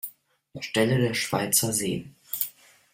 Stelle der Schweizer Seen.